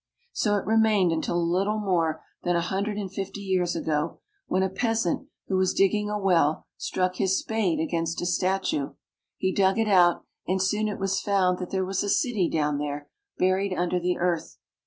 So it remained until a little more than a hundred and CARP. EUROPE — 26 424 ITALY. fifty years ago, when a peasant who was digging a well struck his spade against a statue. He dug it out, and soon it was found that there was a city down there, buried under the earth.